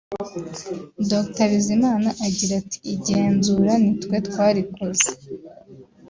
Dr Bizimana agira ati “Igenzura ni twe twarikoze